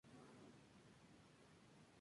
La decisión en Honeywell Inc.